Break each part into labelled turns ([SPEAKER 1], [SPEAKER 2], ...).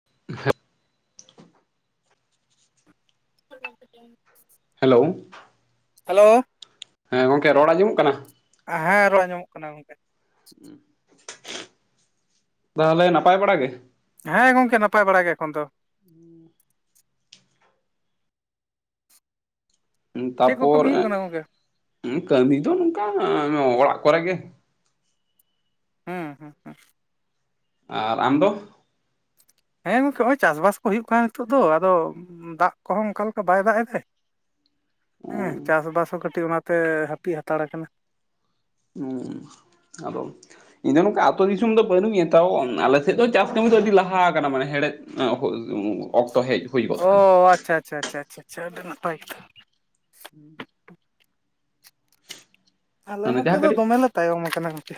[SPEAKER 1] [inaudible]
[SPEAKER 2] [inaudible]
[SPEAKER 1] Hello.
[SPEAKER 2] Hello.
[SPEAKER 1] ᱦᱮᱸ ᱜᱚᱝᱠᱮ ᱨᱚᱲ ᱟᱸᱡᱚᱢᱚᱜ ᱠᱟᱱᱟ?
[SPEAKER 2] ᱮ ᱦᱮᱸ ᱨᱚᱲ ᱟᱸᱡᱚᱢᱚᱜ ᱠᱟᱱᱟ ᱜᱚᱝᱠᱮ᱾
[SPEAKER 1] ᱛᱟᱦᱚᱞᱮ ᱱᱟᱯᱟᱭ ᱵᱟᱲᱟ ᱜᱮ?
[SPEAKER 2] ᱦᱮᱸ ᱜᱚᱝᱠᱮ ᱱᱟᱯᱟᱭ ᱵᱟᱲᱟ ᱜᱮ ᱮᱠᱷᱚᱱ ᱫᱚ᱾
[SPEAKER 1] ᱩᱸ
[SPEAKER 2] ᱪᱮᱫ ᱠᱚ
[SPEAKER 1] ᱛᱟᱯᱚᱨ
[SPEAKER 2] ᱠᱟᱹᱢᱤ ᱦᱩᱭᱩᱜ
[SPEAKER 1] ᱮᱸ,
[SPEAKER 2] ᱠᱟᱱᱟ ᱜᱚᱝᱠᱮ
[SPEAKER 1] ᱩᱸ ᱠᱟᱹᱢᱤ ᱫᱚ ᱱᱚᱝᱠᱟ ᱮᱸ ᱚᱲᱟᱜ ᱠᱚᱨᱮ ᱜᱮ᱾
[SPEAKER 2] ᱦᱮᱸ ᱦᱮᱸ᱾
[SPEAKER 1] ᱟᱨ ᱟᱢᱫᱚ?
[SPEAKER 2] ᱦᱮᱸ ᱜᱚᱝᱠᱮ ᱱᱚᱜᱼᱚᱭ ᱪᱟᱥᱵᱟᱥ ᱠᱚ ᱦᱩᱭᱩᱜ ᱠᱟᱱᱟ ᱱᱤᱛᱚᱜ ᱫᱚ ᱟᱫᱚ ᱫᱟᱜ ᱠᱚᱦᱚᱸ ᱚᱱᱠᱟ ᱞᱮᱠᱟ ᱵᱟᱭ ᱫᱟᱜ ᱮᱫᱟᱭ᱾ ᱦᱮᱸ ᱪᱟᱥᱼᱵᱟᱥ ᱦᱚᱸ ᱠᱟᱹᱴᱤᱡ ᱚᱱᱟᱛᱮ ᱦᱟᱹᱯᱤ ᱦᱟᱛᱟᱲ ᱠᱟᱱᱟ᱾
[SPEAKER 1] [unintelligible] ᱤᱧᱫᱚ ᱱᱚᱝᱠᱟ ᱟᱛᱳ ᱫᱤᱥᱚᱢ ᱫᱚ ᱵᱟᱹᱱᱩᱧᱟ ᱛᱟᱣ ᱟᱞᱮᱥᱮᱫ ᱫᱚ ᱪᱟᱥ ᱠᱟᱹᱢᱤ ᱫᱚ ᱟᱹᱰᱤ ᱞᱟᱦᱟ ᱟᱠᱟᱱᱟ ᱢᱟᱱᱮ ᱦᱮᱲᱦᱮᱫ ᱚᱠᱛᱚ ᱦᱮᱡ ᱦᱩᱭ ᱜᱚᱫ
[SPEAKER 2] ᱚ
[SPEAKER 1] ᱠᱟᱱᱟ᱾
[SPEAKER 2] ᱟᱪᱪᱷᱟ ᱟᱪᱪᱷᱟ ᱟᱪᱪᱷᱟ ᱟᱪᱪᱷᱟ ᱟᱹᱰᱤ ᱱᱟᱯᱟᱭ ᱠᱟᱛᱷᱟ᱾
[SPEAKER 1] [inaudible]
[SPEAKER 2] ᱟᱞᱮ
[SPEAKER 1] ᱢᱟᱱᱮ
[SPEAKER 2] ᱱᱚᱛᱮ
[SPEAKER 1] ᱡᱟᱦᱟ
[SPEAKER 2] ᱫᱚ
[SPEAKER 1] ᱠᱟᱹᱴᱤᱡ
[SPEAKER 2] ᱫᱚᱢᱮ ᱞᱮ ᱛᱟᱭᱚᱢ ᱟᱠᱟᱱᱟ ᱜᱚᱝᱠᱮ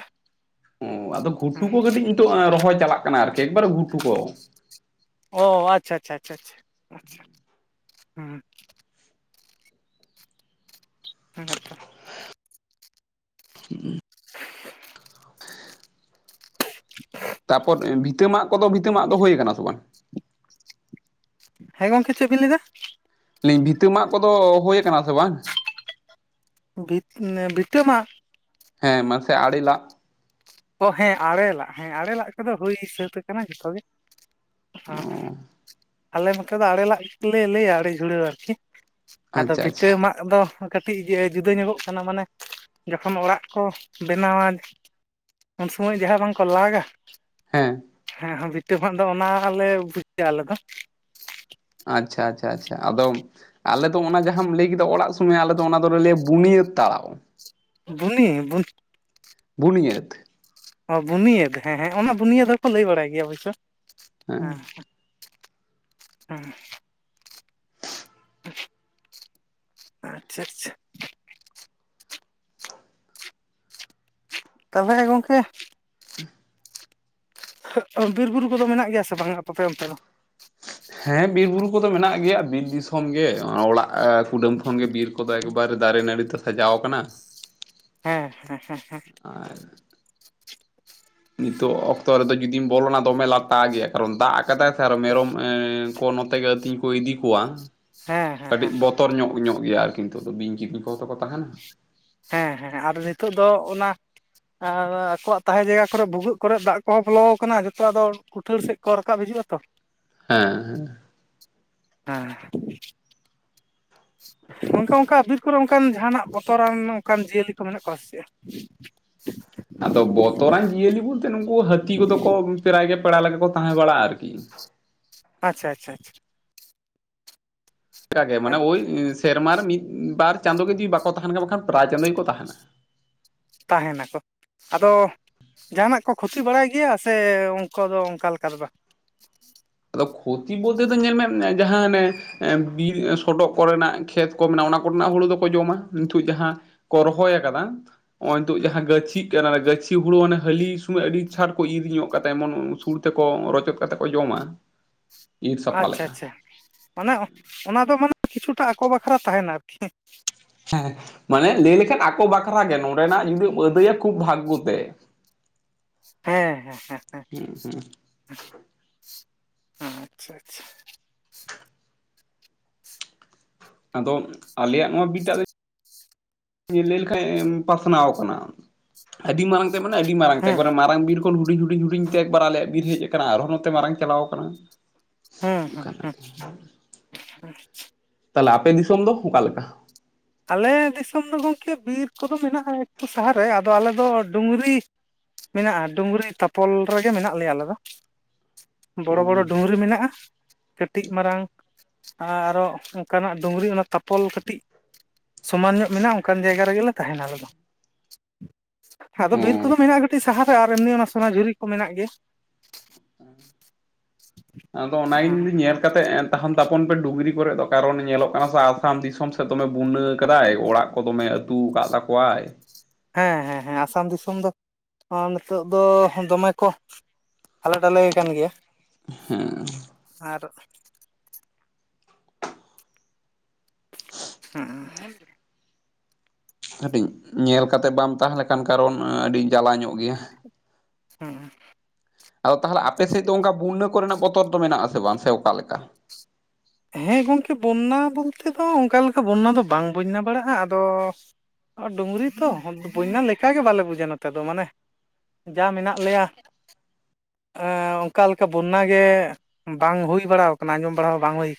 [SPEAKER 1] ᱟᱫᱚ ᱜᱷᱩᱴᱩ
[SPEAKER 2] ᱦᱩᱸ
[SPEAKER 1] ᱠᱚ ᱠᱟᱹᱴᱤᱡ ᱱᱤᱛᱳᱜ ᱨᱚᱦᱚᱭ ᱪᱟᱞᱟᱜ ᱠᱟᱱᱟ ᱟᱨᱠᱤ ᱮᱠᱵᱟᱨᱮ ᱜᱷᱩᱴᱩ ᱠᱚ᱾
[SPEAKER 2] ᱚ ᱟᱪᱪᱷᱟ ᱟᱪᱪᱷᱟ ᱟᱪᱪᱷᱟ ᱟᱪᱪᱷᱟ ᱦᱩᱸ᱾ ᱦᱮᱸᱛᱚ᱾
[SPEAKER 1] [inaudible]
[SPEAKER 2] [inaudible]
[SPEAKER 1] ᱛᱟᱯᱚᱨ ᱵᱷᱤᱛᱟᱹ ᱢᱟᱜ ᱠᱚᱫᱚ ᱵᱷᱤᱛᱟᱹ ᱢᱟᱜ ᱫᱚ ᱦᱩᱭ ᱟᱠᱟᱱᱟ ᱥᱮ ᱵᱟᱝ?
[SPEAKER 2] ᱦᱮᱸ ᱜᱚᱝᱠᱮ ᱪᱮᱫ ᱵᱤᱱ ᱞᱟᱹᱭ ᱮᱫᱟ᱾
[SPEAKER 1] ᱞᱟᱹᱭ ᱫᱟᱹᱞᱤᱧ ᱵᱷᱤᱛᱟᱹ ᱢᱟᱜ ᱠᱚᱫᱚ ᱦᱩᱭ ᱟᱠᱟᱱᱟ ᱥᱮ ᱵᱟᱝ?
[SPEAKER 2] ᱵᱷᱤᱛ ᱵᱷᱤᱛᱟᱹ ᱢᱟᱜ
[SPEAKER 1] ᱦᱮᱸ ᱢᱟᱥᱮ ᱟᱲᱮ ᱞᱟᱜ?
[SPEAKER 2] ᱚ ᱦᱮᱸ ᱟᱲᱮᱞᱟᱜ ᱦᱮᱸ ᱟᱲᱮᱞᱟᱜ ᱠᱚᱫᱚ ᱦᱩᱭ ᱥᱟᱹᱛ ᱟᱠᱟᱱᱟ ᱡᱷᱚᱛᱚ ᱜᱮ᱾ ᱚᱸ ᱦᱚᱸ
[SPEAKER 1] ᱚ
[SPEAKER 2] ᱟᱞᱮ ᱱᱚᱛᱮ ᱫᱚ ᱟᱲᱮ ᱞᱟᱜ ᱜᱮᱞᱮ ᱞᱟᱹᱭᱟ ᱟᱲᱮ ᱡᱷᱩᱲᱟᱹᱣ ᱟᱨᱠᱤ᱾ ᱟᱫᱚ
[SPEAKER 1] ᱟᱪᱪᱷᱟ
[SPEAKER 2] ᱵᱷᱤᱴᱟᱹ
[SPEAKER 1] ᱟᱪᱪᱷᱟ
[SPEAKER 2] ᱢᱟᱜ ᱟᱫᱚ ᱠᱟᱹᱴᱤᱡ ᱡᱩᱫᱟᱹ ᱧᱚᱜᱚᱜ ᱠᱟᱱᱟ ᱢᱟᱱᱮ ᱡᱚᱠᱷᱚᱱ ᱚᱲᱟᱜ ᱠᱚ ᱵᱮᱱᱟᱣᱟ ᱩᱱ ᱥᱚᱢᱚᱭ ᱡᱟᱦᱟᱸ ᱵᱟᱝᱠᱚ ᱞᱟᱜᱟ
[SPEAKER 1] ᱦᱮᱸ᱾
[SPEAKER 2] ᱦᱮᱸ ᱵᱷᱤᱴᱟᱹ ᱢᱟᱜ ᱫᱚ ᱚᱱᱟᱞᱮ ᱵᱩᱡᱷᱭᱟ ᱟᱞᱮ ᱫᱚ᱾
[SPEAKER 1] ᱟᱪᱪᱷᱟ ᱟᱪᱪᱷᱟ ᱟᱪᱪᱷᱟ ᱟᱫᱚ ᱟᱞᱮᱫᱚ ᱚᱱᱟ ᱡᱟᱦᱟᱸᱟᱢ ᱞᱟᱹᱭ ᱠᱮᱫᱟ ᱚᱲᱟᱜ ᱥᱩᱢᱚᱭ ᱟᱞᱮᱚ ᱚᱱᱟ ᱫᱚᱞᱮ ᱞᱟᱹᱭᱟ ᱵᱩᱱᱤᱭᱟᱹᱫ ᱛᱟᱲᱟᱣ᱾
[SPEAKER 2] [unintelligible]
[SPEAKER 1] ᱵᱩᱱᱤᱭᱟᱹᱫ᱾
[SPEAKER 2] ᱚ ᱵᱩᱱᱤᱭᱟᱹᱫ ᱦᱮᱸ ᱦᱮᱸ ᱚᱱᱟ ᱵᱩᱱᱤᱭᱟᱹᱫ ᱦᱚᱸᱠᱚ ᱞᱟᱹᱭ ᱵᱟᱲᱟᱭ ᱚᱵᱥᱳᱭ ᱦᱮᱸ᱾ ᱦᱮᱸ᱾ ᱟᱪᱪᱷᱟ ᱟᱪᱪᱷᱟ᱾ ᱛᱚᱦᱚᱞᱮ ᱜᱚᱝᱠᱮ ᱵᱤᱨ ᱵᱩᱨᱩ ᱠᱚᱫᱚ ᱢᱮᱱᱟᱜ ᱜᱮᱭᱟ ᱥᱮ ᱵᱟᱝᱼᱟ ᱟᱯᱮ ᱚᱱᱛᱮ ᱫᱚ?
[SPEAKER 1] ᱦᱮᱸ ᱵᱤᱨ ᱵᱩᱨᱩ ᱠᱚᱫᱚ ᱢᱮᱱᱟᱜ ᱜᱮᱭᱟ ᱵᱤᱨ ᱫᱤᱥᱚᱢ ᱜᱮ ᱚᱲᱟᱜ ᱠᱩᱰᱟᱹᱢ ᱠᱷᱚᱱ ᱜᱮ ᱵᱤᱨ ᱠᱚᱫᱚ ᱮᱠ ᱮᱠᱵᱟᱨᱮ ᱫᱟᱨᱮ ᱱᱟᱹᱲᱤ ᱛᱮ ᱥᱟᱡᱟᱣ ᱟᱠᱟᱱᱟ᱾
[SPEAKER 2] ᱦᱮᱸ ᱦᱮᱸ ᱦᱮᱸ ᱦᱮᱸ᱾
[SPEAKER 1] ᱟᱨ ᱱᱤᱛᱚᱜ ᱚᱠᱛᱚ ᱨᱮᱫᱚ ᱡᱩᱫᱤᱢ ᱵᱚᱞᱚᱱᱟ ᱫᱚᱢᱮ ᱞᱟᱛᱟᱜ ᱜᱮᱭᱟ ᱠᱟᱨᱚᱱ ᱫᱟᱜ ᱟᱠᱟᱫᱟᱭ ᱥᱮ ᱟᱨᱚ ᱢᱮᱨᱚᱢ ᱮᱸ ᱠᱚ ᱟᱹᱛᱤᱧ ᱠᱚ ᱤᱫᱤ ᱠᱚᱣᱟ
[SPEAKER 2] ᱦᱮᱸ ᱦᱮᱸ
[SPEAKER 1] ᱠᱟᱹᱴᱤᱡ ᱵᱚᱛ ᱵᱚᱛᱚᱨ ᱧᱚᱜ ᱧᱚᱜ ᱜᱮᱭᱟ ᱟᱨᱠᱤ ᱱᱤᱛᱚᱜ ᱫᱚ ᱵᱤᱧ ᱠᱤᱫᱤᱧ ᱠᱚᱫᱚ ᱠᱚ ᱛᱟᱦᱮᱱᱟ᱾
[SPEAKER 2] ᱦᱮᱸ ᱦᱮᱸ ᱟᱨ ᱱᱤᱛᱳᱜ ᱫᱚ ᱚᱱᱟ ᱟᱨ ᱟᱠᱚᱣᱟᱜ ᱛᱟᱦᱮᱸ ᱡᱟᱭᱜᱟ ᱠᱚᱨᱮ ᱵᱷᱩᱜᱟᱹᱜ ᱠᱚᱨᱮ ᱫᱟᱜ ᱠᱚᱦᱚᱸ ᱵᱚᱞᱚ ᱟᱠᱟᱱᱟ ᱡᱚᱛᱚ ᱟᱫᱚ ᱠᱩᱴᱟᱹᱲ ᱥᱮᱫ ᱠᱚ ᱨᱟᱠᱟᱵ ᱦᱤᱡᱩᱜ-ᱟ ᱛᱚ᱾
[SPEAKER 1] ᱦᱮᱸ ᱦᱮᱸ
[SPEAKER 2] ᱦᱮᱸ ᱚᱱᱠᱟ ᱚᱱᱠᱟ ᱵᱤᱨ ᱠᱚᱨᱮ ᱚᱱᱠᱟᱱ ᱡᱟᱦᱟᱱᱟᱜ ᱵᱚᱛᱚᱨᱟᱱ ᱚᱱᱠᱟᱱ ᱡᱤᱭᱟᱹᱞᱤ ᱠᱚ ᱢᱮᱱᱟᱜ ᱠᱚᱣᱟ ᱥᱮ ᱪᱮᱫ? [inaudible] [inaudible]
[SPEAKER 1] ᱟᱫᱚ ᱵᱚᱛᱚᱨᱟᱱ ᱡᱤᱭᱟᱹᱞᱤ ᱵᱳᱞᱛᱮ ᱱᱩᱠᱩ ᱦᱟᱹᱛᱤ ᱠᱚᱫᱚ ᱠᱚ ᱯᱮᱨᱟᱭ ᱜᱮ ᱯᱮᱲᱟ ᱞᱮᱠᱟ ᱠᱚ ᱛᱟᱦᱮᱸ ᱵᱟᱲᱟᱜ-ᱟ ᱟᱨᱠᱤ᱾
[SPEAKER 2] ᱟᱪᱪᱷᱟ ᱟᱪᱪᱷᱟ ᱟᱪᱷᱟ᱾
[SPEAKER 1] ᱠᱟᱜᱮ
[SPEAKER 2] ᱟᱪᱪᱷᱟ
[SPEAKER 1] ᱢᱟᱱᱮ ᱳᱭ ᱥᱮᱨᱢᱟ ᱨᱮ ᱢᱤᱫ ᱵᱟᱨ ᱪᱟᱸᱫᱳ ᱜᱮ ᱡᱩᱫᱤ ᱵᱟᱠᱚ ᱛᱟᱦᱮᱱ ᱠᱷᱟᱱ ᱵᱟᱠᱷᱟᱱ ᱯᱨᱟᱭ ᱪᱟᱸᱫᱳ ᱜᱮᱠᱚ ᱛᱟᱦᱮᱱᱟ᱾
[SPEAKER 2] ᱛᱟᱦᱮ ᱱᱟᱠᱚ ᱟᱫᱚ ᱡᱟᱦᱟᱱᱟᱜ ᱠᱚ ᱠᱷᱚᱛᱤ ᱵᱟᱲᱟᱭ ᱜᱮᱭᱟ ᱥᱮ ᱩᱱᱠᱩ ᱫᱚ ᱚᱱᱠᱟ ᱞᱮᱠᱟ ᱫᱚ ᱵᱟ?
[SPEAKER 1] ᱟᱫᱚ ᱠᱷᱩᱛᱤ ᱵᱚᱞᱛᱮ ᱫᱚ ᱧᱮᱞ ᱢᱮ ᱡᱟᱦᱟᱸ ᱚᱱᱮ ᱵᱤᱨ ᱥᱚᱰᱚᱜ ᱠᱚᱨᱮᱱᱟᱜ ᱠᱷᱮᱛ ᱠᱚ ᱢᱮᱱᱟᱜ ᱚᱱᱟ ᱠᱚᱨᱮᱱᱟᱜ ᱦᱩᱲᱩ ᱫᱚᱠᱚ ᱡᱚᱢᱟ ᱱᱤᱛᱩᱜ ᱡᱟᱦᱟᱸ ᱠᱚ ᱨᱦᱚᱭ ᱟᱠᱟᱫᱟ᱾ ᱱᱚᱜ ᱛᱳ ᱡᱟᱦᱟᱸ ᱜᱟᱪᱷᱤᱜ ᱠᱟᱱᱟ ᱜᱟᱹᱪᱷᱤ ᱦᱩᱲᱩ ᱚᱱᱮ ᱦᱟᱹᱞᱤ ᱥᱩᱢᱚᱭ ᱟᱹᱰᱤ ᱪᱷᱟᱴ ᱠᱚ ᱤᱨ ᱧᱚᱜ ᱠᱟᱛᱮ ᱮᱢᱚᱱ ᱥᱩᱲ ᱛᱮᱠᱚ ᱨᱚᱪᱚᱫ ᱠᱟᱛᱮ ᱠᱚ ᱡᱚᱢᱟ᱾ ᱤᱨ ᱥᱟᱯᱷᱟ
[SPEAKER 2] ᱟᱪᱪᱷᱟ
[SPEAKER 1] ᱞᱮᱠᱟ
[SPEAKER 2] ᱟᱪᱪᱷᱟ ᱢᱟᱱᱮ ᱚᱱᱟ ᱫᱚ ᱢᱟᱱᱮ ᱠᱤᱪᱷᱩᱴᱟ ᱟᱠᱚ ᱵᱟᱠᱷᱨᱟ ᱛᱟᱦᱮᱱᱟ ᱟᱨᱠᱤ᱾
[SPEAKER 1] ᱦᱮᱸ ᱢᱟᱱᱮ ᱞᱟᱹᱭ ᱞᱮᱠᱷᱟᱱ ᱟᱠᱚ ᱵᱟᱠᱷᱨᱟ ᱜᱮ ᱱᱚᱸᱰᱮᱱᱟᱜ ᱡᱩᱫᱤᱢ ᱟᱹᱫᱟᱹᱭᱟ ᱠᱷᱩᱵ ᱵᱷᱟᱜᱽᱜᱚ ᱛᱮ᱾
[SPEAKER 2] ᱦᱮᱸ ᱦᱮᱸ ᱦᱮᱸ ᱦᱮᱸ ᱟᱪᱪᱷᱟ ᱟᱪᱪᱷᱟ
[SPEAKER 1] ᱟᱫᱚ ᱟᱞᱮᱭᱟᱜ ᱱᱚᱣᱟ ᱵᱤᱴᱟᱜ ᱫᱚ ᱞᱟᱹᱭ ᱞᱮᱠᱷᱟᱱ ᱯᱟᱥᱱᱟᱣ ᱟᱠᱟᱱᱟ ᱟᱹᱰᱤ ᱢᱟᱨᱟᱝ ᱛᱮ ᱢᱟᱱᱮ ᱟᱹᱰᱤ ᱢᱟᱨᱟᱝ ᱛᱮ
[SPEAKER 2] ᱦᱮᱸ
[SPEAKER 1] ᱮᱠᱵᱟᱨᱮ ᱢᱟᱨᱟᱝ ᱵᱤᱨ ᱠᱷᱚᱱ ᱦᱩᱰᱤᱧ ᱦᱩᱰᱤᱧ ᱦᱩᱰᱤᱧ ᱛᱮ ᱮᱠᱵᱟᱨ ᱟᱞᱮᱭᱟᱜ ᱵᱤᱨ ᱦᱮᱡ ᱟᱠᱟᱱᱟ ᱟᱨᱦᱚᱸ ᱱᱚᱛᱮ ᱢᱟᱨᱟᱝ ᱪᱟᱞᱟᱣ ᱠᱟᱱᱟ᱾
[SPEAKER 2] ᱦᱩᱸ ᱦᱩᱸ ᱦᱩᱸ
[SPEAKER 1] ᱛᱟᱦᱞᱮ ᱟᱯᱮ ᱫᱤᱥᱚᱢ ᱫᱚ ᱚᱠᱟ ᱞᱮᱠᱟ?
[SPEAKER 2] ᱟᱞᱮ ᱫᱤᱥᱚᱢ ᱫᱚ ᱜᱚᱝᱠᱮ ᱵᱤᱨ ᱠᱚᱫᱚ ᱢᱮᱱᱟᱜ-ᱟ ᱮᱠᱴᱩ ᱥᱟᱦᱟ ᱨᱮ ᱟᱫᱚ ᱟᱞᱮᱫᱚ ᱰᱩᱝᱨᱤ ᱢᱮᱱᱟᱜ-ᱟ ᱰᱩᱝᱨᱤ ᱛᱟᱯᱚᱞ ᱨᱮᱜᱮ ᱢᱮᱱᱟᱜ ᱞᱮᱭᱟ ᱟᱞᱮ ᱫᱚ᱾ ᱵᱚᱲᱚ ᱵᱚᱲᱚ
[SPEAKER 1] ᱚ
[SPEAKER 2] ᱰᱩᱝᱨᱤ ᱢᱮᱱᱟᱜ-ᱟ᱾ ᱠᱟᱹᱴᱤᱜ ᱢᱟᱨᱟᱝ ᱟᱨᱚ ᱚᱝᱠᱟᱱᱟᱜ ᱰᱩᱝᱨᱤ ᱚᱱᱟ ᱛᱟᱯᱚᱞ ᱠᱟᱹᱴᱤᱜ ᱥᱚᱢᱟᱱ ᱧᱚᱜ ᱢᱮᱱᱟᱜ-ᱟ ᱚᱱᱠᱟᱱ ᱡᱟᱭᱜᱟ ᱨᱮᱜᱮ ᱞᱮ ᱛᱟᱦᱮᱱᱟ ᱟᱞᱮ ᱫᱚ ᱟᱫᱚ
[SPEAKER 1] ᱚ
[SPEAKER 2] ᱵᱤᱨ ᱠᱚᱫᱚ ᱢᱮᱱᱟᱜ ᱴᱤᱜ ᱥᱟᱦᱟ ᱨᱮ ᱟᱨ ᱮᱢᱱᱤ ᱚᱱᱟ ᱥᱳᱱᱟᱡᱷᱩᱨᱤ ᱠᱚ ᱢᱮᱱᱟᱜ ᱜᱮᱭᱟ᱾
[SPEAKER 1] ᱟᱫᱚ ᱚᱱᱟᱜᱤᱧ ᱧᱮᱞ ᱠᱟᱛᱮᱜ ᱛᱟᱦᱮᱱ ᱛᱟᱯᱚᱱ ᱯᱮ ᱰᱩᱝᱽᱨᱤ ᱠᱚᱨᱮ ᱫᱚ ᱠᱟᱨᱚᱱ ᱧᱮᱞᱚᱜ ᱠᱟᱱᱟ ᱥᱮ ᱟᱥᱟᱢ ᱫᱤᱥᱚᱢ ᱥᱮᱫ ᱫᱚᱢᱮ ᱵᱩᱱᱱᱟᱹ ᱠᱟᱫᱟᱭ ᱚᱲᱟᱜ ᱠᱚ ᱫᱚᱢᱮ ᱟᱹᱛᱩᱣ ᱠᱟᱫ ᱛᱟᱠᱚᱣᱟᱭ᱾
[SPEAKER 2] ᱦᱮᱸ ᱦᱮᱸ ᱦᱮᱸ ᱟᱥᱟᱢ ᱫᱤᱥᱚᱢ ᱫᱚ ᱱᱤᱛᱳᱜ ᱫᱚ ᱫᱚᱢᱮ ᱠᱚ ᱦᱟᱞᱮ ᱰᱟᱞᱮᱭ ᱠᱟᱱ ᱜᱮᱭᱟ᱾
[SPEAKER 1] ᱦᱮᱸ
[SPEAKER 2] ᱟᱨ ᱦᱮᱸ
[SPEAKER 1] ᱠᱟᱹᱴᱤᱡ ᱧᱮᱞ ᱠᱟᱛᱮᱫ ᱵᱟᱢ ᱛᱟᱦᱮᱸ ᱞᱮᱠᱷᱟᱱ ᱠᱟᱨᱚᱱ ᱟᱹᱰᱤ ᱡᱟᱞᱟ ᱧᱚᱜ ᱜᱮᱭᱟ᱾
[SPEAKER 2] ᱦᱩᱸ
[SPEAKER 1] ᱟᱫᱚ ᱛᱟᱦᱞᱮ ᱟᱯᱮ ᱥᱮᱫ ᱫᱚ ᱚᱱᱠᱟ ᱵᱩᱱᱱᱟᱹ ᱠᱚᱨᱮᱱᱟᱜ ᱵᱚᱛᱚᱨ ᱫᱚ ᱢᱮᱱᱟᱜ ᱟᱥᱮ ᱵᱟᱝ ᱥᱮ ᱚᱠᱟ ᱞᱮᱠᱟ?
[SPEAKER 2] ᱦᱮᱸ ᱜᱚᱝᱠᱮ ᱵᱚᱱᱱᱟ ᱵᱚᱞᱛᱮ ᱫᱚ ᱚᱝᱠᱟ ᱞᱮᱠᱟ ᱵᱚᱱᱱᱟ ᱵᱟᱝ ᱵᱚᱧᱱᱟ ᱵᱟᱲᱟᱜ-ᱟ ᱟᱫᱚ ᱰᱩᱝᱨᱤ ᱛᱚ ᱵᱚᱧᱱᱟ ᱞᱮᱠᱟᱜᱮ ᱵᱟᱞᱮ ᱵᱩᱡᱟ ᱱᱚᱛᱮ ᱫᱚ ᱢᱟᱱᱮ ᱡᱟᱦᱟ ᱢᱮᱱᱟᱜ ᱞᱮᱭᱟ, ᱚᱱᱠᱟ ᱞᱮᱠᱟ ᱵᱚᱱᱱᱟ ᱜᱮ ᱵᱟᱝ ᱦᱩᱭ ᱵᱟᱲᱟ ᱟᱠᱟᱱᱟ, ᱟᱸᱡᱚᱢ ᱵᱟᱲᱟ ᱦᱚᱸ ᱵᱟᱝ ᱦᱩᱭ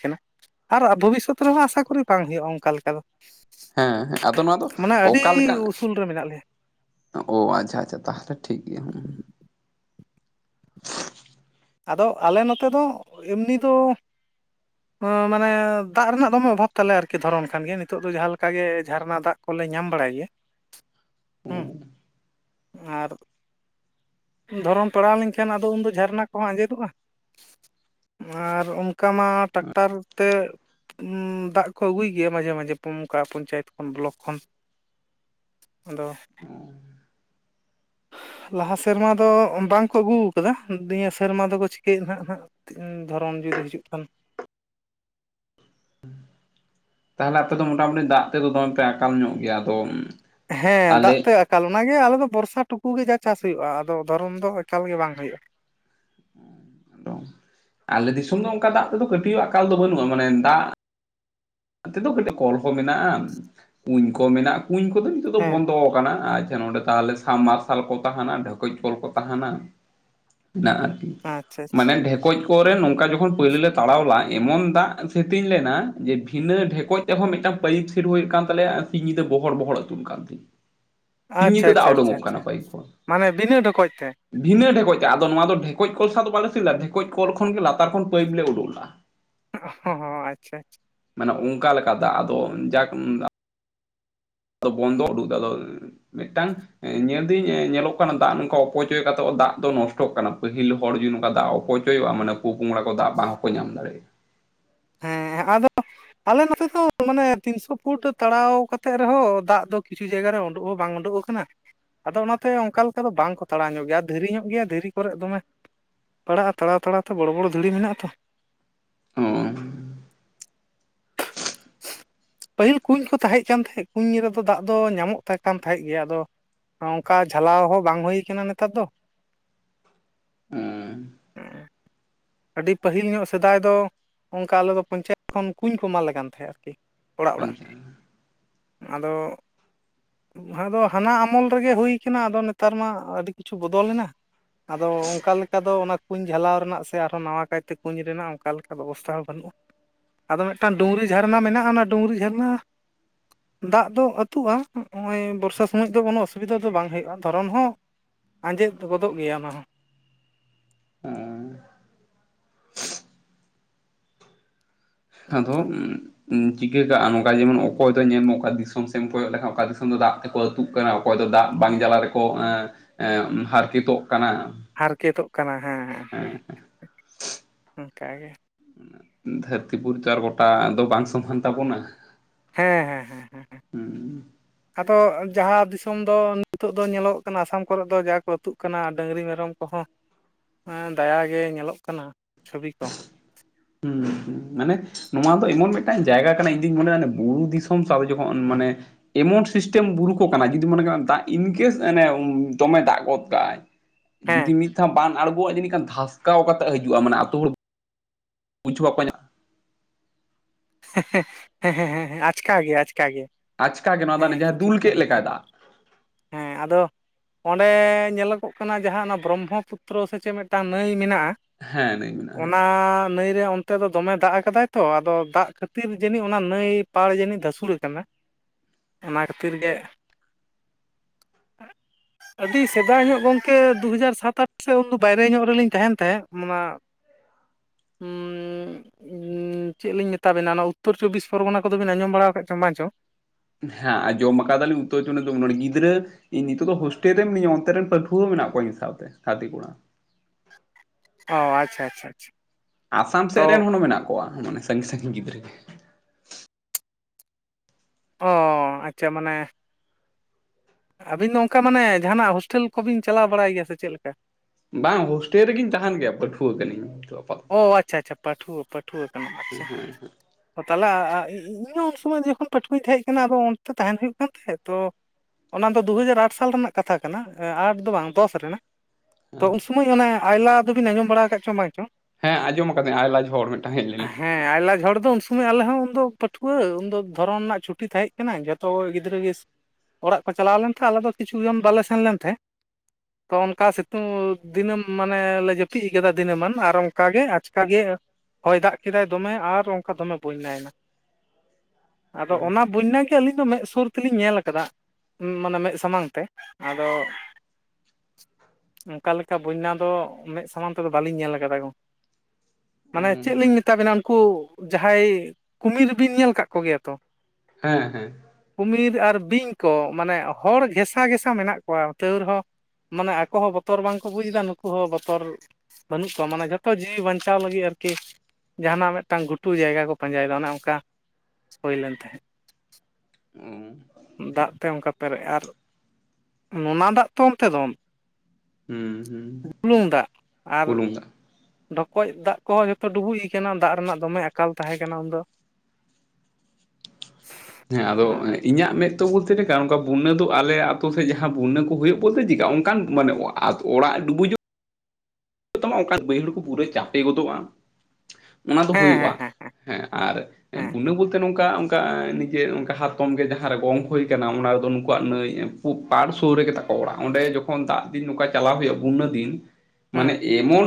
[SPEAKER 2] ᱟᱨ ᱵᱷᱚᱵᱤᱥᱚᱛ ᱨᱮᱦᱚᱸ ᱟᱥᱟ ᱠᱚᱨᱤ ᱵᱟᱝ ᱦᱩᱭᱩᱜᱼᱟ ᱚᱱᱠᱟ ᱞᱮᱠᱟ ᱫᱚ ᱾
[SPEAKER 1] ᱦᱮᱸ ᱟᱫᱚ ᱱᱚᱣᱟ ᱫᱚ ᱚᱠᱟ ᱞᱮᱠᱟ
[SPEAKER 2] ᱩᱥᱩᱞ ᱨᱮ ᱢᱮᱱᱟᱜ ᱞᱮᱭᱟ
[SPEAKER 1] ᱚ ᱟᱪᱪᱷᱟ ᱟᱪᱪᱷᱟ ᱛᱟᱦᱚᱞᱮ ᱴᱷᱤᱠ ᱜᱮᱭᱟ ᱦᱮᱸ ᱾
[SPEAKER 2] ᱟᱫᱚ ᱟᱞᱮ ᱱᱚᱛᱮ ᱫᱚ ᱮᱢᱱᱤ ᱫᱚ
[SPEAKER 1] [inaudible]
[SPEAKER 2] ᱢᱟᱱᱮ ᱫᱟᱜ ᱨᱮᱱᱟᱜ ᱫᱚᱢᱮ ᱚᱵᱷᱟᱵ ᱛᱟᱞᱮ ᱟᱨᱠᱤ ᱫᱷᱚᱨᱚᱱ ᱠᱷᱟᱱ ᱜᱮ ᱱᱤᱛᱚᱜ ᱫᱚ ᱡᱟᱦᱟᱸ ᱞᱮᱠᱟ ᱜᱮ ᱡᱷᱟᱨᱱᱟ ᱫᱟᱜ ᱠᱚᱞᱮ ᱧᱟᱢ ᱵᱟᱲᱟᱭ ᱜᱮᱭᱟ ᱾
[SPEAKER 1] [inaudible]
[SPEAKER 2] ᱦᱩᱸ᱾ ᱟᱨ ᱫᱷᱚᱨᱚᱱ ᱯᱟᱲᱟᱣ ᱞᱮᱱᱠᱷᱟᱱ ᱟᱫᱚ ᱩᱱᱫᱚ ᱡᱷᱟᱨᱱᱟ ᱠᱚᱦᱚᱸ ᱟᱸᱡᱮᱫᱚᱜ-ᱟ, ᱟᱨ ᱚᱱᱠᱟ ᱢᱟ ᱴᱨᱟᱠᱴᱟᱨ ᱛᱮ ᱫᱟᱜ ᱠᱚ ᱟᱹᱜᱩᱭ ᱜᱮᱭᱟ ᱢᱟᱡᱷᱮ ᱢᱟᱡᱷᱮ ᱚᱱᱠᱟ ᱯᱚᱧᱪᱟᱭᱮᱛ ᱠᱷᱚᱱ ᱵᱚᱞᱚᱠ ᱠᱷᱚᱱ ᱾ ᱟᱫᱚ ᱞᱟᱦᱟ ᱥᱮᱨᱢᱟ ᱫᱚ ᱵᱟᱝᱠᱚ ᱟᱹᱜᱩ ᱠᱟᱫᱟ ᱫᱤᱭᱮᱸ ᱥᱮᱨᱢᱟ ᱫᱚᱠᱚ ᱪᱤᱠᱟᱹᱭᱮᱫ ᱱᱟᱦᱟᱜ ᱱᱟᱦᱟᱜ ᱫᱷᱚᱨᱚᱱ ᱡᱩᱫᱤ ᱦᱤᱡᱩᱜ ᱠᱷᱟᱱ,
[SPEAKER 1] ᱛᱟᱦᱟᱞᱮ ᱟᱯᱮ ᱫᱚ ᱢᱳᱴᱟᱢᱩᱴᱤ ᱫᱟᱜ ᱛᱮᱫᱚ ᱫᱚᱢᱮ ᱯᱮ ᱟᱠᱟᱞ ᱧᱚᱜ ᱜᱮᱭᱟ ᱟᱫᱚ
[SPEAKER 2] ᱦᱮᱸ ᱫᱟᱜ
[SPEAKER 1] ᱟᱞᱮ
[SPEAKER 2] ᱛᱮ ᱟ ᱮᱠᱟᱞ ᱚᱱᱟᱜᱮ ᱟᱞᱮ ᱫᱚ ᱵᱚᱨᱥᱟ ᱴᱩᱠᱩ ᱜᱮ ᱡᱟ ᱪᱟᱥ ᱦᱩᱭᱩᱜᱼᱟ, ᱟᱫᱚ ᱫᱷᱚᱨᱚᱱ ᱫᱚ ᱮᱠᱟᱞ ᱜᱮ ᱵᱟᱝ ᱦᱩᱭᱩᱜᱼᱟ ᱾
[SPEAKER 1] ᱚ ᱟᱞᱮ ᱫᱤᱥᱚᱢ ᱫᱚ ᱚᱱᱠᱟ ᱫᱟᱜ ᱛᱮᱫᱚ ᱠᱟᱹᱴᱤᱡ ᱦᱚᱸ ᱟᱠᱟᱞ ᱫᱚ ᱵᱟᱹᱱᱩᱜᱼᱟ, ᱢᱟᱱᱮ ᱫᱟᱜ [inaudible] ᱛᱮᱫᱚ ᱠᱟᱹᱴᱤᱡ ᱠᱚᱞ ᱦᱚᱸ ᱢᱮᱱᱟᱜᱼᱟ, ᱠᱩᱧ ᱠᱚ ᱢᱮᱱᱟᱜ ᱠᱩᱧ ᱠᱚᱫᱚ ᱱᱤᱛᱚᱜ ᱫᱚ
[SPEAKER 2] ᱦᱮᱸ
[SPEAKER 1] ᱵᱚᱱᱫᱚ ᱟᱠᱟᱱᱟ, ᱟᱪᱪᱷᱟ ᱱᱚᱸᱰᱮ ᱛᱟᱦᱚᱞᱮ ᱥᱟᱢ-ᱢᱟᱨᱥᱟᱞ ᱠᱚ ᱛᱟᱦᱮᱸᱱᱟ ᱰᱷᱮᱠᱚᱡ ᱠᱚᱞ ᱠᱚ ᱛᱟᱦᱮᱱᱟ, ᱢᱮᱱᱟᱜᱼᱟ᱾
[SPEAKER 2] ᱟᱪᱪᱷᱟ
[SPEAKER 1] ᱢᱟᱱᱮ ᱰᱷᱮᱠᱚᱡ ᱯᱚᱨᱮ ᱱᱚᱝᱠᱟ ᱡᱚᱠᱷᱚᱱ ᱯᱳᱭᱞᱳ ᱞᱮ ᱛᱟᱲᱟᱣᱞᱟ ᱮᱢᱚᱱ ᱫᱟᱜ ᱥᱮᱛᱮᱧ ᱞᱮᱱᱟ ᱡᱮ ᱵᱷᱤᱱᱟᱹ ᱰᱷᱮᱠᱚᱡ ᱛᱮᱦᱚᱸ ᱢᱤᱫᱴᱟᱝ ᱯᱟᱭᱤᱯ ᱥᱮᱴ ᱦᱳᱭ ᱠᱟᱱ ᱛᱟᱞᱮᱭᱟ, ᱟᱨ ᱥᱤᱧ ᱧᱤᱫᱟᱹ ᱵᱚᱦᱚᱲ ᱵᱚᱦᱚᱲ ᱟᱹᱛᱩᱜ ᱠᱟᱱ ᱛᱟᱸᱦᱮᱫ᱾ ᱥᱤᱧ
[SPEAKER 2] ᱟᱪᱪᱷᱟ
[SPEAKER 1] ᱧᱤᱫᱟᱹ ᱫᱟᱜ
[SPEAKER 2] ᱟᱪᱪᱷᱟ ᱟᱪᱪᱷᱟ
[SPEAKER 1] ᱩᱰᱩᱠᱚᱜ ᱠᱟᱱᱟ
[SPEAKER 2] ᱟᱪᱪᱷᱟ
[SPEAKER 1] ᱯᱟᱭᱤᱯ ᱠᱷᱚᱱ
[SPEAKER 2] ᱢᱟᱱᱮ ᱵᱤᱱᱟᱹ ᱰᱷᱚᱠᱚᱡ ᱛᱮ
[SPEAKER 1] ᱾ ᱵᱷᱤᱱᱟᱹ ᱰᱷᱮᱠᱚᱡ ᱛᱮ ᱟᱫᱚ ᱱᱚᱣᱟ ᱫᱚ ᱰᱷᱮᱠᱚᱡ ᱠᱚᱞ ᱥᱟᱶ ᱫᱚ ᱵᱟᱞᱮ ᱰᱷᱮᱠᱚᱡ ᱠᱚᱞ ᱠᱷᱚᱱ ᱜᱮ ᱞᱟᱛᱟᱨ ᱠᱷᱚᱱ ᱯᱟᱭᱤᱯ ᱞᱮ ᱩᱰᱩᱠ ᱞᱟᱜ-ᱟ ᱾
[SPEAKER 2] ᱦᱚᱸ ᱦᱚᱸ ᱟᱪᱪᱷᱟ ᱟᱪᱪᱷᱟ᱾
[SPEAKER 1] ᱢᱟᱱᱮ ᱚᱱᱠᱟ ᱞᱮᱠᱟ ᱫᱟᱜ ᱟᱫᱚ ᱡᱟᱠ ᱟᱫᱚ ᱵᱚᱱᱫᱚ ᱩᱰᱩᱠ ᱫᱟᱜ ᱫᱚ ᱢᱤᱫᱴᱟᱝ ᱧᱮᱞ ᱫᱟᱹᱧ ᱧᱮᱞᱚᱜ ᱠᱟᱱᱟ ᱫᱟᱜ ᱱᱚᱝᱠᱟ ᱚᱯᱚᱪᱚᱭ ᱠᱟᱛᱮᱜ ᱫᱟᱜ ᱫᱚ ᱱᱚᱥᱴᱚᱜ ᱠᱟᱱᱟ, ᱯᱟᱹᱦᱤᱞ ᱦᱚᱲ ᱡᱩᱫᱤ ᱱᱚᱝᱠᱟ ᱫᱟᱜ ᱚᱯᱚᱪᱚᱭ ᱚᱪᱚᱭ ᱦᱩᱭᱩᱜᱼᱟ, ᱢᱟᱱᱮ ᱯᱩ-ᱯᱚᱝᱲᱟ ᱠᱚ ᱫᱟᱜ ᱵᱟᱝ ᱦᱚᱸᱠᱚ ᱧᱟᱢ ᱫᱟᱲᱮᱭᱟᱜᱼᱟ ᱾
[SPEAKER 2] ᱦᱮᱸ ᱟᱫᱚ ᱟᱞᱮ ᱱᱚᱛᱮ ᱫᱚ ᱢᱟᱱᱮ ᱛᱤᱱᱥᱚ ᱯᱷᱩᱴ ᱛᱟᱲᱟᱣ ᱠᱟᱛᱮᱜ ᱨᱮᱦᱚᱸ ᱫᱟᱜ ᱫᱚ ᱠᱤᱪᱷᱩ ᱡᱟᱭᱜᱟ ᱨᱮ ᱩᱰᱩᱜ ᱦᱚᱸ ᱵᱟᱝ ᱩᱰᱩᱜ- ᱟᱫᱚ ᱚᱱᱟᱛᱮ ᱚᱱᱠᱟ ᱞᱮᱠᱟ ᱫᱚ ᱵᱟᱝᱠᱚ ᱛᱟᱲᱟᱣ ᱧᱚᱜ ᱜᱮᱭᱟ ᱫᱷᱤᱨᱤ ᱧᱚᱜ ᱜᱮᱭᱟ ᱫᱷᱤᱨᱤ ᱠᱚᱨᱮ ᱫᱚᱢᱮ ᱯᱟᱲᱟᱜᱼᱟ ᱛᱟᱲᱟᱣ ᱛᱟᱲᱟᱣᱛᱮ ᱵᱚᱲᱚ ᱵᱚᱲᱚ ᱫᱷᱤᱲᱤ ᱢᱮᱱᱟᱜ-ᱟ ᱛᱚ ᱾
[SPEAKER 1] ᱚᱸᱻ
[SPEAKER 2] ᱯᱟᱹᱦᱤᱞ ᱠᱩᱧ ᱠᱚ ᱛᱟᱸᱦᱮᱫ ᱠᱟᱱ ᱛᱟᱦᱮᱸᱫ ᱠᱩᱧ ᱨᱮᱫᱚ ᱫᱟᱜ ᱫᱚ ᱧᱟᱢᱚᱜ ᱛᱟᱦᱮᱸ ᱠᱟᱱ ᱛᱟᱦᱮᱸᱫ ᱜᱮ ᱟᱫᱚ ᱚᱱᱠᱟ ᱡᱷᱟᱞᱟᱣ ᱦᱚᱸ ᱵᱟᱝ ᱦᱩᱭ ᱠᱟᱱᱟ ᱱᱮᱛᱟᱨ ᱫᱚ ᱾
[SPEAKER 1] ᱩᱸ᱾
[SPEAKER 2] ᱟᱹᱰᱤ ᱯᱟᱹᱦᱤᱞ ᱧᱚᱜ ᱥᱮᱫᱟᱭ ᱫᱚ ᱚᱱᱠᱟ ᱟᱞᱮ ᱫᱚ ᱯᱚᱧᱪᱟᱭᱮᱛ ᱠᱷᱚᱱ ᱠᱩᱸᱧ ᱠᱚ ᱮᱢᱟᱞᱮ- ᱠᱟᱱ ᱛᱟᱦᱮᱸᱫ ᱟᱨᱠᱤ ᱚᱲᱟᱜ ᱚᱲᱟᱜ,
[SPEAKER 1] ᱟᱪᱪᱷᱟ
[SPEAKER 2] ᱟᱫᱚ ᱟᱫᱚ ᱦᱟᱱᱟ ᱟᱢᱚᱞ ᱨᱮᱜᱮ ᱦᱩᱭ ᱠᱟᱱᱟ ᱟᱫᱚ ᱱᱮᱛᱟᱨ ᱢᱟ ᱟᱹᱰᱤ ᱠᱤᱪᱷᱩ ᱵᱚᱫᱚᱞᱮᱱᱟ᱾ ᱟᱫᱚ ᱚᱱᱠᱟ ᱞᱮᱠᱟ ᱫᱚ ᱚᱱᱟ ᱠᱩᱧ ᱡᱷᱟᱞᱟᱣ ᱨᱮᱱᱟᱜ ᱥᱮ ᱟᱨᱦᱚᱸ ᱱᱟᱣᱟ ᱠᱟᱭᱛᱮ ᱠᱩᱧ ᱨᱮᱱᱟᱜ ᱚᱱᱠᱟ ᱞᱮᱠᱟ ᱵᱮᱵᱚᱥᱛᱷᱟ ᱦᱚᱸ ᱵᱟᱹᱱᱩᱜᱼᱟ᱾ ᱟᱫᱚ ᱢᱤᱫᱴᱟᱱ ᱰᱩᱝᱨᱤ ᱡᱷᱟᱨᱱᱟ ᱢᱮᱱᱟᱜᱼᱟ ᱚᱱᱟ ᱰᱩᱝᱨᱤ ᱡᱷᱟᱨᱱᱟ, ᱫᱟᱜ ᱫᱚ ᱟᱹᱛᱩᱜᱼᱟ ᱱᱚᱜ ᱚᱚᱭ ᱵᱚᱨᱥᱟ ᱥᱩᱚᱢᱚᱭ ᱫᱚ ᱠᱚᱱᱚ ᱚᱥᱩᱵᱤᱫᱟ ᱫᱚ ᱵᱟᱝ ᱦᱩᱭᱩᱜᱭᱼᱟ ᱫᱷᱚᱨᱚᱱ ᱦᱚᱸ ᱟᱸᱡᱮᱫ ᱜᱚᱫᱚᱜ ᱜᱮᱭᱟ ᱚᱱᱟ ᱦᱚᱸ᱾
[SPEAKER 1] ᱦᱮᱸ ᱟᱫᱚ ᱪᱤᱠᱟᱹ ᱠᱟᱜᱼᱟ ᱟᱢ ᱱᱚᱝᱠᱟ ᱡᱮᱢᱚᱱ ᱚᱠᱚᱭ ᱫᱚ ᱧᱮᱢ ᱚᱠᱟ ᱫᱤᱥᱚᱢ ᱥᱮᱫ ᱮᱢ ᱠᱚᱭᱚᱜ ᱞᱮᱠᱷᱟᱱ ᱚᱠᱟ ᱫᱤᱥᱚᱢ ᱫᱚ ᱫᱟᱜ ᱛᱮ, ᱚᱠᱚᱭ ᱠᱚ ᱟᱹᱛᱩᱜ ᱠᱟᱱᱟ ᱚᱠᱚᱭ ᱫᱚ ᱫᱟᱜ ᱵᱟᱝ ᱡᱟᱞᱟ ᱨᱮᱠᱚ ᱦᱟᱨᱠᱮᱛᱚᱜ ᱠᱟᱱᱟ᱾
[SPEAKER 2] ᱦᱟᱨᱠᱮᱛᱚᱜ ᱠᱟᱱᱟ ᱦᱮᱸ ᱦᱮᱸ ᱦᱮᱸ᱾ ᱚᱱᱠᱟᱜᱮ
[SPEAKER 1] ᱫᱷᱟᱹᱨᱛᱤ ᱯᱚᱨᱤ ᱛᱚ ᱟᱨ ᱜᱚᱴᱟ ᱫᱚ ᱵᱟᱝ ᱥᱚᱢᱟᱱ ᱛᱟᱵᱚᱱᱟ᱾
[SPEAKER 2] ᱦᱮᱸ ᱦᱮᱸ ᱦᱮᱸ ᱦᱮᱸ ᱦᱮᱸ
[SPEAKER 1] [inaudible]
[SPEAKER 2] ᱟᱫᱚ ᱡᱟᱦᱟᱸ ᱫᱤᱥᱚᱢ ᱫᱚ ᱱᱤᱛᱚᱜ ᱫᱚ ᱧᱮᱞᱚᱜ ᱠᱟᱱᱟ ᱟᱥᱟᱢ ᱠᱚᱨᱮ ᱫᱚ ᱡᱟ ᱠᱚ ᱟᱹᱛᱩᱜ ᱠᱟᱱᱟ ᱰᱟᱹᱝᱨᱤ ᱢᱮᱨᱚᱢ ᱠᱚᱦᱚᱸ ᱫᱟᱭᱟᱜᱮ ᱧᱮᱞᱚᱜ ᱠᱟᱱᱟ ᱪᱷᱚᱵᱤ ᱠᱚ᱾
[SPEAKER 1] ᱦᱩᱸ ᱦᱩᱸ ᱢᱟᱱᱮ ᱱᱚᱣᱟ ᱫᱚ ᱮᱢᱚᱱ ᱢᱤᱫᱴᱟᱱ ᱡᱟᱭᱜᱟ ᱠᱟᱱᱟ ᱤᱧ ᱫᱩᱧ ᱢᱚᱱᱮᱭᱟᱱ ᱵᱩᱨᱩ ᱫᱤᱥᱚᱢ ᱥᱟᱶ ᱡᱚᱠᱷᱚᱱ ᱢᱟᱱᱮ, ᱮᱢᱚᱱ ᱥᱤᱥᱴᱮᱢ ᱵᱩᱨᱩ ᱠᱚ ᱠᱟᱱᱟ ᱡᱩᱫᱤ ᱢᱚᱱᱮ ᱠᱟᱜ ᱢᱮ ᱫᱟᱜ ᱤᱱᱠᱮᱥ ᱫᱚᱢᱮ ᱫᱟᱜ ᱜᱚᱫ ᱠᱟᱜᱟᱭ᱾
[SPEAKER 2] ᱦᱮᱸ
[SPEAKER 1] ᱡᱩᱫᱤ ᱢᱤᱫ ᱫᱷᱟᱣ ᱵᱟᱱ ᱟᱬᱜᱚ ᱟᱜ ᱡᱟᱹᱱᱤᱡ ᱠᱷᱟᱱ ᱫᱷᱟᱥᱠᱟᱣ ᱠᱟᱛᱮ ᱦᱤᱡᱩᱜᱼᱟ᱾ ᱢᱟᱱᱮ ᱟᱛᱳ ᱦᱚᱲ, ᱵᱩᱡ ᱦᱟ ᱵᱟᱠᱟ ᱧᱟᱢᱟ
[SPEAKER 2] ᱦᱮᱸ ᱦᱮᱸ ᱦᱮᱸ ᱦᱮᱸ ᱟᱪᱠᱟ ᱜᱮ ᱟᱪᱠᱟ ᱜᱮ᱾
[SPEAKER 1] ᱟᱪᱠᱟ ᱜᱮ ᱱᱚᱣᱟ
[SPEAKER 2] ᱦᱮᱸ
[SPEAKER 1] ᱫᱚ ᱡᱟᱦᱟᱸ ᱫᱩᱞ
[SPEAKER 2] ᱠᱤᱪᱷᱩᱠ ᱠᱷᱚᱱ
[SPEAKER 1] ᱠᱮᱫ ᱞᱮᱠᱟᱭ
[SPEAKER 2] ᱵᱷᱤᱛᱤᱨ
[SPEAKER 1] ᱫᱟᱜ᱾
[SPEAKER 2] ᱦᱮᱸ ᱟᱫᱚ ᱚᱸᱰᱮ ᱧᱮᱞᱚᱜᱚᱜ ᱠᱟᱱᱟ ᱡᱟᱦᱟᱸ ᱵᱨᱚᱢᱦᱚ ᱯᱩᱛᱨᱚ ᱥᱮ ᱪᱮᱫ ᱢᱤᱫᱴᱟᱝ ᱱᱟᱹᱭ ᱢᱮᱱᱟᱜ ᱟ,
[SPEAKER 1] ᱦᱮᱸ ᱱᱟᱹᱭ ᱢᱮᱱᱟᱜᱼᱟ
[SPEAKER 2] ᱚᱱᱟ ᱱᱟᱹᱭ ᱨᱮ ᱚᱱᱛᱮ ᱫᱚ ᱫᱚᱢᱮ ᱫᱟᱜ ᱠᱟᱫᱟᱭ ᱛᱚ ᱟᱫᱚ ᱫᱟᱜ, ᱠᱷᱟᱹᱛᱤᱨ ᱡᱟᱹᱱᱤᱡ ᱚᱱᱟ ᱱᱟ. ᱭ ᱯᱟᱲ ᱡᱟᱹᱱᱤᱡ ᱫᱷᱟᱥᱩᱲ ᱟᱠᱟᱱᱟ᱾ ᱚᱱᱟ ᱠᱷᱟᱹᱛᱤᱨ ᱜᱮ, ᱟᱹᱰᱤ ᱥᱮᱫᱟᱭ ᱧᱚᱜ ᱜᱚᱝᱠᱮ ᱫᱩ ᱦᱟᱡᱟᱨ ᱥᱟᱛ-ᱟᱴ ᱥᱮᱫ ᱩᱱ ᱫᱚ ᱵᱟᱭᱨᱮ ᱧᱚᱜ ᱨᱮᱞᱤᱧ ᱛᱟᱦᱮᱱ ᱛᱟᱦᱮᱸᱫ ᱚᱱᱟ,
[SPEAKER 1] [inaudible]
[SPEAKER 2] ᱩᱸᱻ ᱩᱼᱻᱪᱮᱫ ᱞᱤᱧ ᱢᱮ ᱛᱟᱵᱤᱱᱟ ᱚᱱᱟ ᱩᱛᱛᱚᱨᱪᱚᱵᱽᱵᱤᱥ ᱯᱚᱨᱜᱚᱱᱟ ᱠᱚᱫᱚᱵᱤᱱ ᱟᱸᱡᱚᱢ ᱵᱟᱲᱟ ᱟᱠᱟᱫ ᱪᱚ ᱵᱟᱝ ᱪᱚᱻ
[SPEAKER 1] ᱦᱮᱸ ᱟᱡᱚᱢ ᱟᱠᱟᱫᱟᱞᱤᱧ [unintelligible] ᱱᱚᱰᱮ ᱜᱤᱫᱽᱨᱟᱹ ᱤᱧ ᱱᱤᱛᱚᱜ ᱫᱚ ᱦᱳᱥᱴᱮᱞ ᱨᱮ ᱢᱤᱱᱟᱧᱟ ᱚᱱᱛᱮ ᱨᱮᱱ ᱯᱟᱹᱴᱷᱣᱟᱹ ᱢᱮᱱᱟᱜ ᱠᱚᱣᱟ ᱤᱧ ᱥᱟᱶᱛᱮ ᱦᱟᱹᱛᱤ ᱠᱚᱲᱟ᱾
[SPEAKER 2] ᱚ ᱟᱪᱪᱷᱟ ᱟᱪᱷᱟ ᱟᱪᱪᱷᱟ᱾
[SPEAKER 1] ᱟᱥᱟᱢ ᱥᱮᱫ
[SPEAKER 2] ᱛᱚ
[SPEAKER 1] ᱨᱮᱱ ᱦᱚᱱ ᱢᱮᱱᱟᱜ ᱠᱚᱣᱟ ᱢᱟᱱᱮ ᱥᱟᱺᱜᱤᱧ ᱥᱟᱺᱜᱤᱧ ᱜᱤᱫᱽᱨᱟᱹ ᱜᱮ᱾
[SPEAKER 2] ᱚᱻ ᱟᱪᱪᱷᱟ ᱢᱟᱱᱮ᱾ ᱟᱹᱵᱤᱱ ᱫᱚ ᱚᱱᱠᱟ ᱢᱟᱱᱮ ᱡᱟᱦᱟᱱᱟᱜ ᱦᱳᱥᱴᱮᱞ ᱠᱚᱵᱤᱱ ᱪᱟᱞᱟᱣ ᱵᱟᱲᱟᱭ ᱜᱮᱭᱟ ᱥᱮ ᱪᱮᱫ ᱞᱮᱠᱟ?
[SPEAKER 1] ᱵᱟᱝ ᱦᱳᱥᱴᱮᱞ ᱨᱮᱜᱮᱧ ᱛᱟᱦᱮᱱ ᱜᱮᱭᱟ ᱯᱟᱹᱴᱷᱩᱣᱟᱹ ᱠᱟᱹᱱᱟᱹᱧ ᱛᱚ᱾
[SPEAKER 2] ᱚ ᱟᱪᱪᱷᱟ ᱟᱪᱪᱷᱟ ᱯᱟᱴᱷᱩᱣᱟᱹ ᱯᱟᱹᱴᱷᱩᱣᱟᱹ ᱠᱟᱱᱟ ᱟᱪᱷᱟ᱾ ᱛᱟᱞᱟ ᱟ ᱤᱧᱦᱚᱸ ᱩᱱ ᱥᱚᱢᱚᱭ ᱡᱚᱠᱷᱚᱱ ᱯᱟᱹᱴᱷᱩᱣᱟᱹᱧ ᱛᱟᱦᱮᱸ ᱠᱟᱱᱟ ᱟᱫᱚ ᱚᱱᱛᱮ ᱛᱟᱦᱮᱱ ᱦᱩᱭᱩᱜ ᱠᱟᱱ ᱛᱟᱦᱮᱸᱫ ᱛᱚ, ᱚᱱᱟ ᱫᱚ ᱫᱩᱼᱦᱟᱡᱟᱨ ᱟᱴ ᱥᱟᱞ ᱨᱮᱱᱟᱜ ᱠᱟᱛᱷᱟ ᱠᱟᱱᱟ ᱟᱴ ᱫᱚ ᱵᱟᱝ ᱫᱚᱥ ᱨᱮᱱᱟᱜ᱾ ᱛᱚ ᱩᱱ ᱥᱚᱢᱚᱭ ᱚᱱᱮ ᱟᱭᱞᱟ ᱫᱚᱵᱤᱱ ᱟᱸᱡᱚᱢ ᱵᱟᱲᱟ ᱟᱠᱟᱫ ᱪᱚᱝ ᱵᱟᱝ ᱪᱚ᱾
[SPEAKER 1] ᱦᱮᱸ ᱟᱸᱡᱚᱢ ᱟᱠᱟᱫᱟᱹᱧ ᱟᱭᱞᱟ ᱡᱷᱚᱲ ᱢᱤᱫᱴᱟᱝ ᱦᱮᱡ ᱞᱮᱱᱟ᱾
[SPEAKER 2] ᱦᱮᱸ ᱟᱭᱞᱟ ᱡᱦᱚᱲ ᱫᱚ ᱩᱱ ᱥᱚᱢᱚᱭ ᱟᱞᱮ ᱦᱚᱸ ᱩᱱᱫᱚ ᱯᱟᱹᱴᱷᱩᱣᱟᱹ ᱩᱱᱫᱚ ᱫᱷᱚᱨᱚᱱ ᱨᱮᱱᱟᱜ ᱪᱷᱩᱴᱤ ᱛᱟᱦᱮᱸ ᱠᱟᱱᱟ ᱡᱷᱚᱛᱚ ᱜᱤᱫᱽᱨᱟᱹ ᱜᱮ, ᱚᱲᱟᱜ ᱠᱚ ᱪᱟᱞᱟᱣ ᱞᱮᱱ ᱛᱟᱦᱮᱸ ᱟᱞᱮ ᱫᱚ ᱠᱤᱪᱷᱩ ᱡᱚᱱ ᱵᱟᱞᱮ ᱥᱮᱱ ᱞᱮᱱ ᱛᱟᱦᱮᱸᱫ, ᱛᱚ ᱚᱱᱠᱟ ᱥᱤᱛᱩᱝ ᱫᱤᱱᱟᱹᱢ ᱢᱟᱱᱮ ᱞᱮ ᱡᱟᱹᱯᱤᱫ ᱟᱠᱟᱫᱟ ᱫᱤᱱᱟᱹᱢᱟᱱ ᱟᱨ, ᱚᱱᱠᱟ ᱜᱮ ᱟᱪᱠᱟ ᱜᱮ ᱦᱚᱭ ᱫᱟᱜ ᱠᱮᱫᱟᱭ ᱫᱚᱢᱮ ᱟᱨ ᱚᱱᱠᱟ ᱫᱚᱢᱮ ᱵᱚᱧᱱᱟᱭᱱᱟ᱾ ᱟᱫᱚ ᱚᱱᱟ ᱵᱚᱧᱱᱟᱭᱱᱟ ᱜᱮ ᱟᱹᱞᱤᱧ ᱫᱚ ᱢᱮᱫ ᱥᱩᱨ ᱛᱮᱞᱤᱧ ᱧᱮᱞ ᱟᱠᱟᱫᱟ᱾ ᱢᱟᱱᱮ ᱢᱮᱫ ᱥᱟᱢᱟᱝ ᱛᱮ, ᱟᱫᱚ ᱚᱱᱠᱟ ᱞᱮᱠᱟ ᱵᱚᱧᱭᱱᱟ ᱫᱚ ᱢᱮᱫ ᱥᱟᱢᱟᱝ ᱛᱮᱫᱚ ᱵᱟᱞᱤᱧ ᱧᱮᱞ ᱟᱠᱟᱫᱟ᱾ ᱢᱟᱱᱮ ᱪᱮᱫ ᱞᱤᱧ ᱢᱮᱛᱟ ᱵᱤᱱᱟ ᱩᱱᱠᱩ ᱡᱟᱦᱟᱸᱭ ᱠᱩᱢᱤᱨᱵᱤᱱ ᱧᱮᱞ ᱟᱠᱟᱫ ᱠᱚᱜᱮᱭᱟ ᱛᱚ᱾
[SPEAKER 1] ᱦᱮᱸ ᱦᱮᱸ
[SPEAKER 2] ᱠᱩᱢᱤᱨ ᱟᱨ ᱵᱤᱧ ᱠᱚ ᱢᱟᱱᱮ ᱦᱚᱲ ᱜᱷᱮᱥᱟ ᱜᱷᱮᱥᱟ ᱢᱮᱱᱟᱜ ᱠᱚᱣᱟ ᱛᱟᱹᱣ ᱨᱮᱦᱚᱸ ᱢᱟᱱᱮ ᱟᱠᱚ ᱦᱚᱸ ᱵᱚᱛᱚᱨ ᱵᱟᱝᱠᱚ ᱵᱩᱡ ᱮᱫᱟ, ᱱᱩᱠᱩ ᱦᱚᱸ ᱵᱚᱛᱚᱨ ᱵᱟᱹᱱᱩᱜ ᱠᱚᱣᱟ ᱢᱟᱱᱮ ᱡᱷᱚᱛᱚ ᱡᱚᱛᱚ ᱡᱤᱣᱤ ᱵᱟᱧᱪᱟᱣ ᱞᱟᱹᱜᱤᱫ ᱟᱹᱨᱠᱤ ᱡᱟᱦᱟᱱᱟᱜ ᱢᱤᱫᱴᱟᱝ ᱜᱷᱩᱴᱩ ᱡᱟᱭᱜᱟ ᱠᱚ ᱯᱟᱸᱡᱟᱭᱮᱫᱟ ᱚᱱᱮ ᱚᱱᱠᱟ ᱦᱳᱭ ᱞᱮᱱ ᱛᱟᱦᱮᱸᱫ᱾
[SPEAKER 1] [unintelligible]
[SPEAKER 2] ᱫᱟᱜ ᱛᱮ ᱚᱱᱠᱟ ᱯᱮᱨᱮᱡ ᱟᱨ [inaudible] ᱫᱟᱜ ᱛᱚ ᱚᱱᱛᱮ ᱫᱚ᱾
[SPEAKER 1] ᱦᱩᱸ ᱦᱩᱸ
[SPEAKER 2] [inaudible] ᱵᱩᱞᱩᱝ ᱫᱟᱜ ᱟᱨ
[SPEAKER 1] ᱵᱩᱞᱩᱝ ᱫᱟᱜ
[SPEAKER 2] ᱰᱷᱚᱠᱚᱡ ᱫᱟᱜ ᱠᱚᱦᱚᱸ ᱡᱚᱛᱚ ᱰᱩᱵᱩᱡ ᱟᱠᱟᱱᱟ, ᱫᱟᱜ ᱨᱮᱱᱟᱜ ᱫᱚᱢᱮ ᱟᱠᱟᱞ ᱛᱟᱦᱮᱸ ᱠᱟᱱᱟ ᱩᱱᱫᱚ᱾
[SPEAKER 1] ᱦᱮᱸ ᱟᱫᱚ ᱤᱧᱟᱹᱜ ᱢᱮᱫ ᱫᱚ ᱵᱚᱞᱛᱮ ᱱᱚᱝᱠᱟ ᱵᱩᱱᱱᱟᱹ ᱫᱚ ᱟᱞᱮ ᱟᱛᱳ ᱥᱮᱫ ᱡᱟᱦᱟᱸ ᱵᱩᱱᱱᱟᱹ ᱠᱚ ᱦᱩᱭᱩᱜ ᱵᱚᱞᱛᱮ ᱪᱤᱠᱟᱹ ᱚᱱᱠᱟᱱ ᱟᱫᱚ ᱚᱲᱟᱜ ᱰᱩᱵᱩᱡᱚᱜ [inaudible] ᱚᱱᱠᱟ ᱵᱟᱹᱭᱦᱟᱹᱲ ᱠᱚ ᱯᱩᱨᱟᱹ ᱪᱟᱯᱮ ᱜᱚᱫᱚᱜᱼᱟ, ᱚᱱᱟ ᱫᱚ ᱦᱩᱭᱩᱜᱼᱟ᱾ ᱦᱮᱸ ᱟᱨ
[SPEAKER 2] ᱦᱮᱸ
[SPEAKER 1] ᱵᱩᱱᱱᱟᱹ ᱵᱚᱞᱛᱮ ᱱᱚᱝᱠᱟ ᱚᱱᱠᱟ ᱱᱤᱡᱮ ᱚᱱᱠᱟ ᱦᱟᱛᱚᱢ ᱜᱮ ᱡᱟᱦᱟᱸᱨᱮ ᱜᱚᱝ ᱦᱩᱭ ᱠᱟᱱᱟ ᱚᱱᱟ ᱨᱮᱫᱚ ᱱᱩᱠᱩᱣᱟᱜ ᱱᱟᱹᱭ ᱯᱟᱲ ᱥᱩᱨ ᱨᱮ ᱜᱮ ᱛᱟᱠᱚ ᱚᱲᱟᱜ ᱚᱸᱰᱮ ᱡᱚᱠᱷᱚᱱ ᱫᱟᱜ ᱫᱤᱱ ᱱᱚᱝᱠᱟ ᱪᱟᱞᱟᱣ ᱦᱩᱭᱩᱜᱼᱟ, ᱵᱩᱱᱱᱟᱹ ᱫᱤᱱ
[SPEAKER 2] ᱦᱮᱸ
[SPEAKER 1] ᱢᱟᱱᱮ ᱮᱢᱚᱱ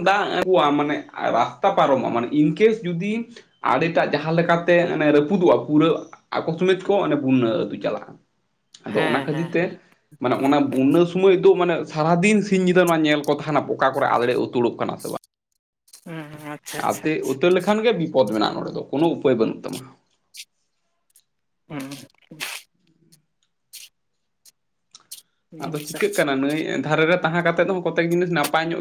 [SPEAKER 1] ᱫᱟᱜ ᱟᱹᱜᱩᱼᱟ ᱢᱟᱱᱮ ᱨᱟᱥᱛᱟ ᱯᱟᱨᱚᱢᱚᱜᱼᱟ ᱢᱟᱱᱮ ᱤᱱᱠᱟᱹ ᱡᱩᱫᱤ ᱟᱲᱮ ᱴᱟᱜ ᱡᱟᱦᱟᱸ ᱞᱮᱠᱟᱛᱮ ᱨᱟᱹᱯᱩᱫᱚᱜ-ᱟ ᱯᱩᱨᱟᱹ ᱟᱠᱚ ᱥᱚᱢᱮᱛ ᱠᱚ ᱚᱱᱮ ᱵᱩᱱᱱᱟᱹ ᱟᱹᱛᱩ ᱪᱟᱞᱟᱜᱼᱟ,
[SPEAKER 2] ᱦᱮᱸ
[SPEAKER 1] ᱟᱫᱚ ᱚᱱᱟ
[SPEAKER 2] ᱦᱮᱸ
[SPEAKER 1] ᱠᱷᱟᱹᱛᱤᱨ
[SPEAKER 2] ᱦᱮᱸ
[SPEAKER 1] ᱛᱮ
[SPEAKER 2] ᱦᱮᱸ
[SPEAKER 1] ᱢᱟᱱᱮ ᱚᱱᱟ ᱵᱩᱱᱱᱟᱹ ᱥᱚᱢᱚᱭ ᱫᱚ ᱢᱟᱱᱮ ᱥᱟᱨᱟᱫᱤᱱ ᱥᱤᱧ ᱧᱤᱫᱟᱹ ᱱᱚᱣᱟ ᱧᱮᱞ ᱠᱚ ᱛᱟᱦᱮᱱᱟ ᱚᱠᱟ ᱠᱚᱨᱮ ᱟᱲᱮ ᱩᱛᱩᱲᱚᱜ ᱠᱟᱱᱟ ᱥᱮ ᱵᱟᱝ᱾
[SPEAKER 2] [unintelligible]
[SPEAKER 1] ᱟᱛᱮ
[SPEAKER 2] ᱟᱪᱪᱷᱟ
[SPEAKER 1] ᱩᱛᱟᱹᱨ ᱞᱮᱠᱷᱟᱱ ᱜᱮ ᱵᱤᱯᱚᱫᱽ ᱢᱮᱱᱟᱜᱼᱟ ᱱᱚᱸᱰᱮ ᱫᱚ ᱠᱳᱱᱳ ᱩᱯᱟᱹᱭ ᱵᱟᱹᱱᱩᱜ ᱛᱟᱢᱟ
[SPEAKER 2] [unintelligible]
[SPEAKER 1] ᱟᱫᱚ
[SPEAKER 2] ᱟᱪᱪᱷᱟ
[SPEAKER 1] ᱪᱤᱠᱟᱹᱜ ᱠᱟᱱᱟ ᱱᱟᱹᱭ ᱫᱷᱟᱨᱮ ᱨᱮ ᱛᱟᱦᱮᱸ ᱠᱟᱛᱮᱫ ᱦᱚᱸ ᱠᱚᱛᱮᱠ ᱡᱤᱱᱤᱥ ᱱᱟᱯᱟᱭ ᱧᱚᱜ ᱜᱮ